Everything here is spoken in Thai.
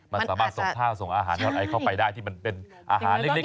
มันสามารถส่งท่าส่งอาหารเข้าไปได้ที่มันเป็นอาหารเล็กน้อย